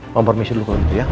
mohon permisi dulu kalau gitu ya